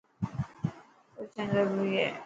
سوچڻ ضروري هي.